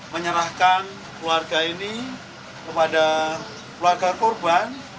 menyerahkan keluarga ini kepada keluarga korban